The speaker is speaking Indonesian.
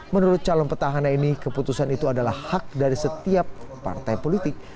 menurut calon petahana ini keputusan itu adalah hak dari setiap partai politik